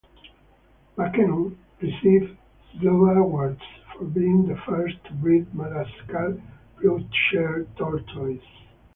McKeown received zoo awards for being the first to breed Madagascar ploughshare tortoises.